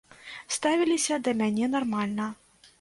Ставіліся да мяне нармальна.